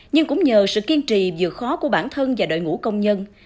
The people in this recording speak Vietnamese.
nhưng cũng nhờ sự kiên trì vừa khó của bản thân và đội ngũ công nhân